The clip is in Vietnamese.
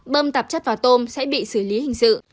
bơm tạp chất vào tôm sẽ bị xử lý hình sự